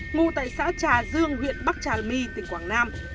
ngụ tại xã trà dương huyện bắc trà my tỉnh quảng nam